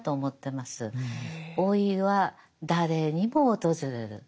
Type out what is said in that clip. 老いは誰にも訪れる。